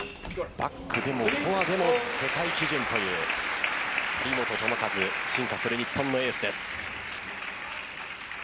バックでもフォアでも世界基準という張本智和進化する日本のエースです。